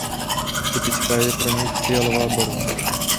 Typická je pro něj fialová barva.